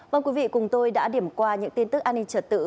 vâng quý vị cùng tôi đã điểm qua những tin tức an ninh trật tự